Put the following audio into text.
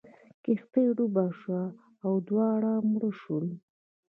کښتۍ ډوبه شوه او دواړه مړه شول.